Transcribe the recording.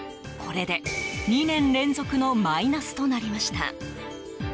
これで２年連続のマイナスとなりました。